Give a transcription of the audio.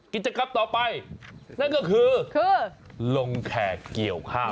กิจกรรมต่อไปนั่นก็คือลงแขกเกี่ยวข้าว